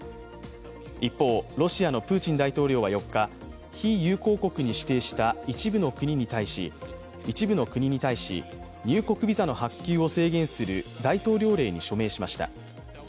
一方、ロシアのプーチン大統領は４日、非友好国に指定した一部の国に対し、入国ビザの発給を制限する大統領令に署名しました。